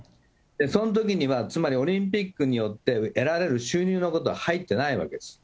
そのときにはつまり、オリンピックによって得られる収入のことは入ってないわけです。